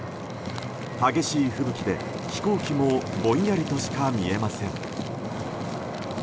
激しい吹雪で飛行機もぼんやりとしか見えません。